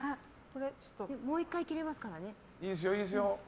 もう１回切れますからね。